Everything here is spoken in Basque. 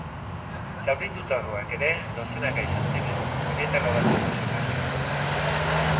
Zauritutakoak ere dozenaka izan ziren, horietako batzuk oso larri.